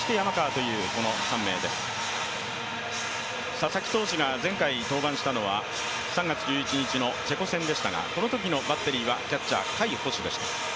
佐々木投手が前回登板したのは３月１２日のチェコ戦でしたがこのときのバッテリーはキャッチャー・甲斐捕手でした。